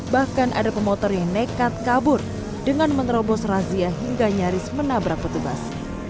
bahkan ada pemotor yang nekat kabur dengan menerobos razia hingga nyaris menabrak petugas